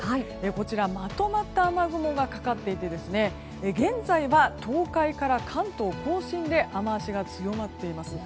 こちらまとまった雨雲がかかっていて現在は、東海から関東・甲信で雨脚が強まっています。